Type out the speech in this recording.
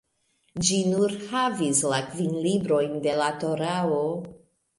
Ĝi nur havis la kvin librojn de la Torao.